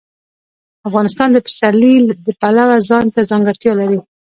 افغانستان د پسرلی د پلوه ځانته ځانګړتیا لري.